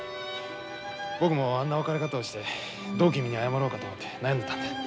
僕もあんな別れ方をしてどう君に謝ろうかと思って悩んでたんだ。